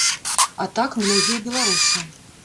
А так многія беларусы.